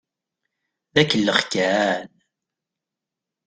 D akellex kan.